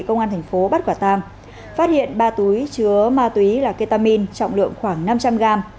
công an thành phố bắt quả tăng phát hiện ba túy chứa ma túy là ketamin trọng lượng khoảng năm trăm linh g